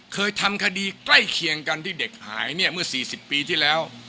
เคยทำคดีใกล้เคียงกันที่เด็กหายเนี่ยเมื่อ๔๐ปีที่แล้ว